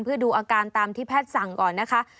เพื่อดูอาการตามที่แพทย์สั่งก่อนนะคะ